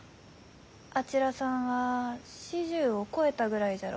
あちらさんは４０を超えたぐらいじゃろうか。